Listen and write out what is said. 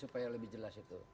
supaya lebih jelas itu